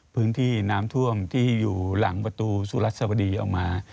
พื้นที่น้ำท่วมที่อยู่หลังประตูสุรัสวดีออกมา